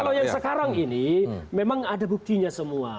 kalau yang sekarang ini memang ada buktinya semua